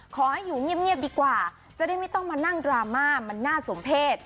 ขอให้อยู่เงียบดีกว่าจะได้ไม่ต้องมานั่งดราม่ามันน่าสมเพศ